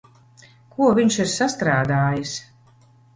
Ko viņš ir sastrādājis?